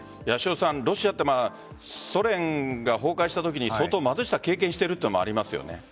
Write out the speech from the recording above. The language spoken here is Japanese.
ロシアはソ連が崩壊したときに相当、貧しさを経験しているというのもありますよね。